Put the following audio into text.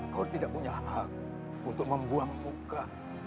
kau tidak punya hak untuk membuang muka